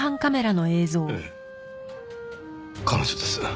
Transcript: ええ彼女です。